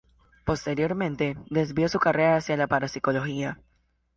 Posteriormente, desvió su carrera hacia la parapsicología.